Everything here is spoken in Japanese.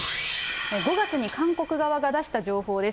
５月に韓国側が出した情報です。